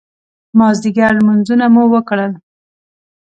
مازدیګر لمونځونه مو وکړل.